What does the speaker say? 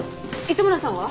糸村さんは？